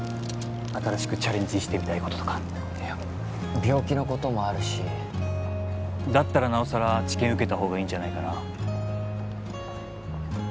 新しくチャレンジしてみたいこととかいや病気のこともあるしだったらなおさら治験受けた方がいいんじゃないかな？